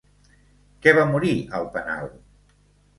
Que va morir al penal?